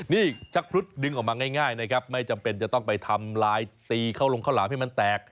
นี่ชักพรุษดึงออกมาง่ายนะครับไม่จำเป็นจะต้องไปทำลายตีข้าวลงข้าวหลามให้มันแตก